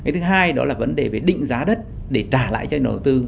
thứ hai là vấn đề định giá đất để trả lại cho nhà đầu tư